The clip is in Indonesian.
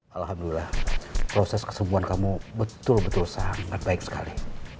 alhamdulillah proses kesembuhan kamu betul betul sangat baik sekali